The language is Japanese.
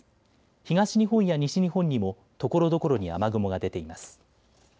東日本や西日本にもところどころに雨雲が出ています。